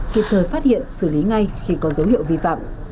kịp thời phát hiện xử lý ngay khi có dấu hiệu vi phạm